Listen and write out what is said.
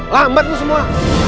lambat lu semua